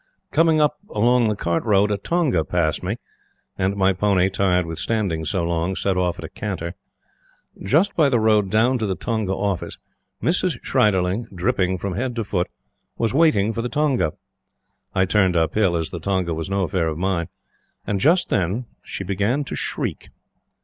Coming up along the Cart road, a tonga passed me, and my pony, tired with standing so long, set off at a canter. Just by the road down to the Tonga Office Mrs. Schreiderling, dripping from head to foot, was waiting for the tonga. I turned up hill, as the tonga was no affair of mine; and just then she began to shriek.